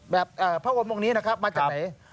แบบพระพวงศ์วงค์นี้นะครับมาจากไหน